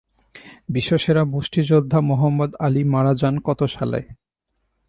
বিশ্বসেরা মুষ্টিযোদ্ধা Muhammad Ali মারা যান কত সালে?